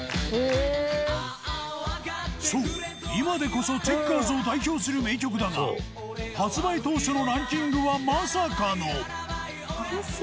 そう今でこそチェッカーズを代表する名曲だが発売当初のランキングはまさかの。